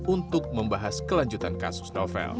untuk membahas kelanjutan kasus novel